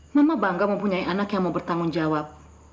mama bangga mempunyai anak yang mau bertanggung jawab